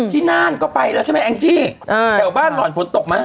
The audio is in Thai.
น่านก็ไปแล้วใช่ไหมแองจี้แถวบ้านหล่อนฝนตกมั้